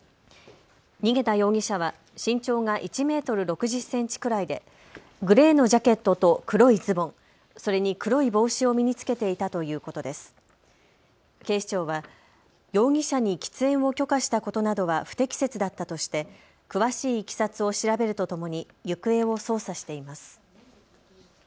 逃げた容疑者は身長が１メートル６０センチくらいでグレーのジャケットと黒いズボン、それに黒い帽子を身に着けていたということで警視庁は容疑者に喫煙を許可したことなどは不適切だったとして詳しい経緯を調べるとともに行方を捜査しています。